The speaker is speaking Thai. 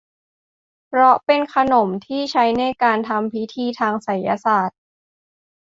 เพราะเป็นขนมที่ใช้ในการทำพิธีทางไสยศาสตร์